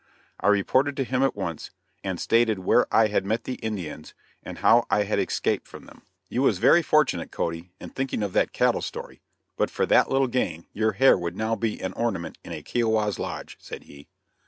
I reported to him at once, and stated where I had met the Indians and how I had escaped from them. "You was very fortunate, Cody, in thinking of that cattle story; but for that little game your hair would now be an ornament to a Kiowa's lodge," said he.